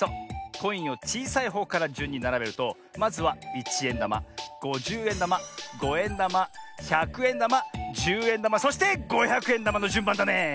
コインをちいさいほうからじゅんにならべるとまずはいちえんだまごじゅうえんだまごえんだまひゃくえんだまじゅうえんだまそしてごひゃくえんだまのじゅんばんだねえ。